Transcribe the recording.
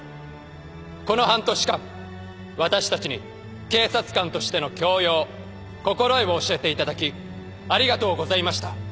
この半年間私たちに警察官としての教養心得を教えていただきありがとうございました。